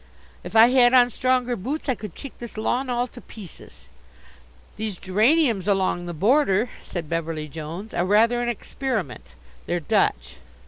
If I had on stronger boots I could kick this lawn all to pieces." "These geraniums along the border," said Beverly Jones, "are rather an experiment. They're Dutch."